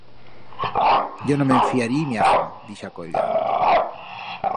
Yo no me'n fiarí miaja d'ixa colla.